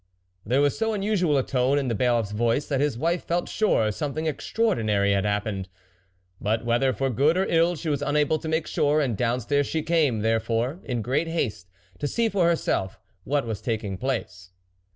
There was so unusual a tone in the Bailiffs voice that his wife felt sure some thing extraordinary had happened, but whether for good or ill she was unable to make sure : and downstairs she came, therefore, in great haste, to see for herself what was taking place.